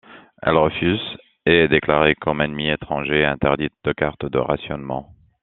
Elle refuse et est déclarée comme ennemi étranger et interdite de carte de rationnement.